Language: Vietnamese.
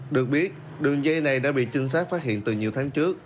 được biết đường dây này đã bị trinh sát phát hiện từ nhiều tháng trước